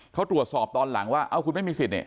เขาตรวจสอบตอนหลังว่าเอ้าคุณไม่มีสิทธิ์เนี่ย